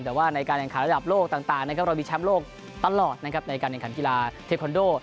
แต่ว่าในการแห่งขาดระดับโลกต่างเรามีแชมป์โลกตลอดในการแห่งขาดกีฬาเทคโนโล